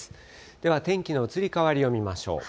では、天気の移り変わりを見ましょう。